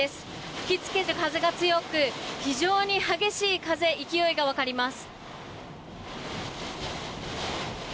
吹き付ける風が強く非常に激しい風、勢いが分かります。